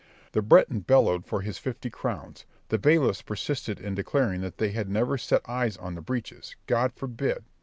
The Breton bellowed for his fifty crowns; the bailiffs persisted in declaring that they had never set eyes on the breeches, God forbid!